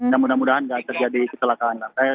dan mudah mudahan tidak terjadi kesalahan pak